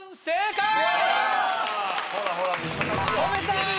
正解！